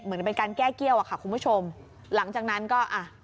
เหมือนเป็นการแก้เกี้ยวอ่ะค่ะคุณผู้ชมหลังจากนั้นก็อ่ะ